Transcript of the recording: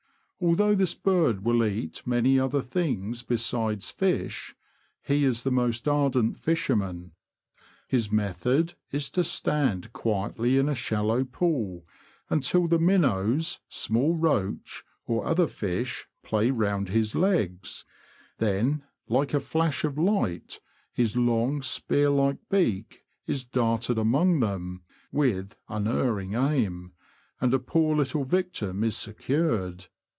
Although this bird will eat many other things besides fish, he is a most ardent fisherman. His method is to stand quietly in a shal low pool until the minnows, small roach, or other fish play round his legs ; then, like a flash of light, his long, spear like beak is darted among them, with unerring aim, and a poor little victim is secured.